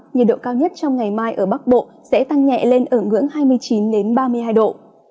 nhiệt độ cao nhất trong ngày mai ở bắc bộ sẽ tăng nhẹ lên ở ngưỡng hai mươi chín ba mươi hai độ